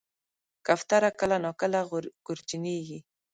کوتره کله ناکله ګورجنیږي.